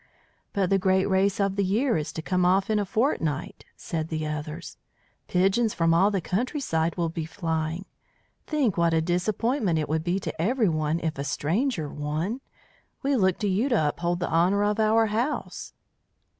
"But the great race of the year is to come off in a fortnight," said the others. "Pigeons from all the country side will be flying. Think what a disappointment it would be to everyone if a stranger won! We look to you to uphold the honour of our house."